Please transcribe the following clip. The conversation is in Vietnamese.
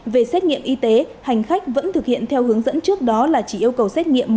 về xét nghiệm y tế hành khách vẫn thực hiện theo hướng dẫn trước đó là chỉ yêu cầu xét nghiệm